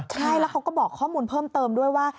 ใช่แล้วเขาก็บอกข้อมูลเพิ่มเติมด้วยว่า